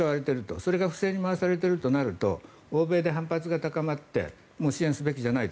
それが不正に回されているとなると欧米で反発が高まってもう支援すべきじゃないと。